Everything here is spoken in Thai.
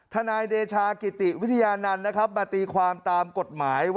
นายเดชากิติวิทยานันต์นะครับมาตีความตามกฎหมาย